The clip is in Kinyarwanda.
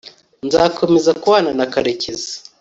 nzakomeza kubana na karekezi